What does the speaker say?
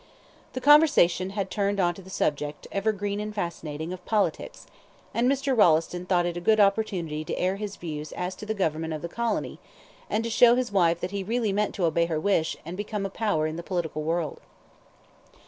The conversation had turned on to the subject, ever green and fascinating, of politics, and Mr. Rolleston thought it a good opportunity to air his views as to the Government of the Colony, and to show his wife that he really meant to obey her wish, and become a power in the political world.